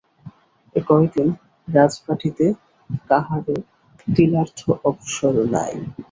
এ কয় দিন রাজবাটীতে কাহারও তিলার্ধ অবসর নাই।